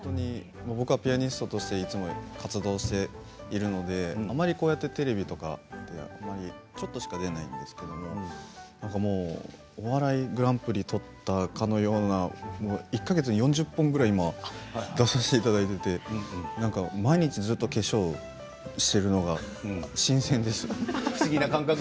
僕はピアニストとしていつも活動しているのでこうやってテレビとかちょっとしか出ないんですけれどもお笑いグランプリを取ったかのような１か月に４０本ぐらい出させていただいていて毎日ずっと化粧をしているのが新鮮です。